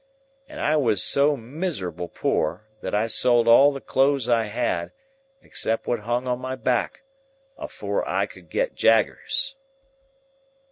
And I was so miserable poor, that I sold all the clothes I had, except what hung on my back, afore I could get Jaggers.